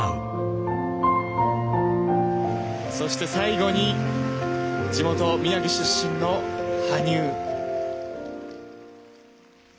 そして最後に地元・宮城出身の羽生。